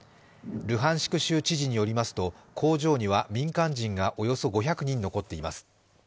ルハンシク州知事によりますと、工場には民間人がおよそ５００人残っています。